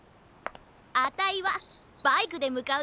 あたいはバイクでむかうよ。